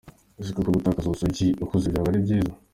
Ese koko gutakaza ubusugi ukuze byaba ari byiza